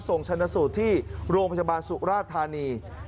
ชนสูตรที่โรงพยาบาลสุราธานี